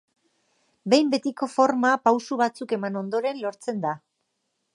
Behin betiko forma pauso batzuk eman ondoren lortzen da.